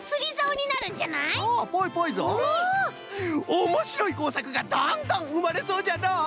おもしろいこうさくがどんどんうまれそうじゃのう。